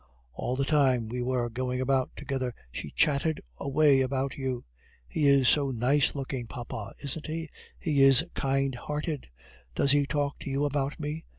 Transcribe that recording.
"All the time we were going about together she chatted away about you. 'He is so nice looking, papa; isn't he? He is kind hearted! Does he talk to you about me?